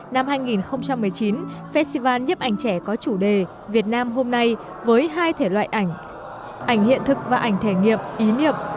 năm hai nghìn một mươi chín festival nhếp ảnh trẻ có chủ đề việt nam hôm nay với hai thể loại ảnh ảnh hiện thực và ảnh thể nghiệp ý niệm